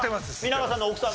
皆川さんの奥様。